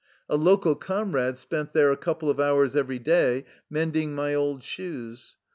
A local comrade spent there a couple of hours every day mending my old shoes.